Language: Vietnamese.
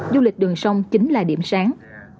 du lịch đường sông chính là điểm sáng